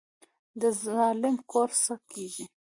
د ظالم کور څه کیږي؟